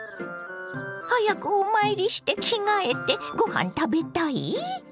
早くお参りして着替えてごはん食べたい？